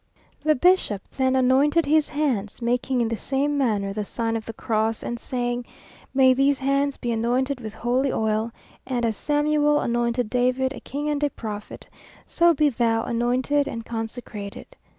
The bishop then anointed his hands, making in the same manner the sign of the cross, and saying, "May these hands be anointed with holy oil; and as Samuel anointed David a king and a prophet, so be thou anointed and consecrated."